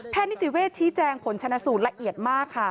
แพทย์นิติเวชชี้แจงผลชนะศูนย์ละเอียดมากค่ะ